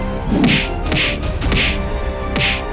ayo kita berdua